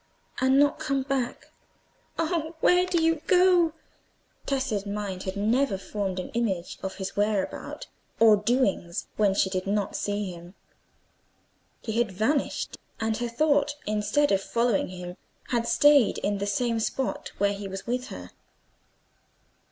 "And not come back? Oh, where do you go?" Tessa's mind had never formed an image of his whereabout or his doings when she did not see him: he had vanished, and her thought, instead of following him, had stayed in the same spot where he was with her.